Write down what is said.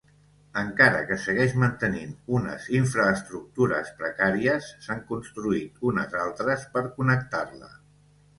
Encara que segueix mantenint unes infraestructures precàries, s'han construït unes altres per connectar-la.